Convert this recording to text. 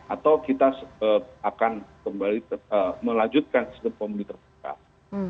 atau kita akan kembali melanjutkan sistem pemilu terbuka